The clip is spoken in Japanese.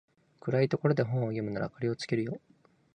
暗いところで本を読むなら明かりつけるよ